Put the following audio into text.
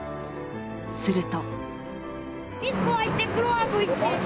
すると。